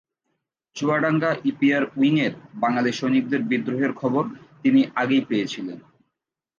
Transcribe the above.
Chuadanga EPR উইংয়ের বাঙালি সৈনিকদের বিদ্রোহের খবর তিনি আগেই পেয়েছিলেন।